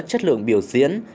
chất lượng biểu diễn